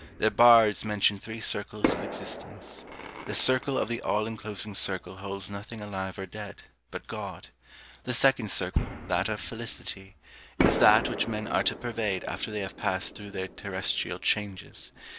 Their bards mention three circles of existence. The circle of the all enclosing circle holds nothing alive or dead, but God. The second circle, that of felicity, is that which men are to pervade after they have passed through their terrestrial changes.